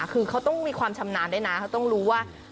คือเขาต้องมีความชำนาญด้วยนะเขาต้องรู้ว่า